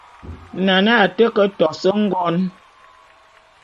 Nane a té ke tos ngon.